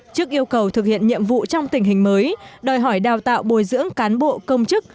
trước yêu cầu thực hiện nhiệm vụ trong tình hình mới đòi hỏi đào tạo bồi dưỡng cán bộ công chức